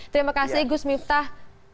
terima kasih gus miftah